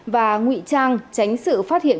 và ngụy trang tránh sự phát hiện